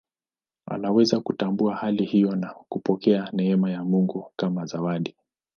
Anaweza kutambua hali hiyo na kupokea neema ya Mungu kama zawadi.